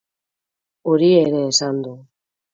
Hori ere esan du.